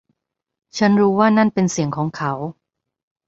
ฉันรู้ว่านั่นเป็นเสียงของเขา